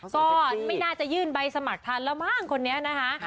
ก็ไม่น่าจะยื่นใบสมัครทันแล้วมั้งคนนี้นะคะ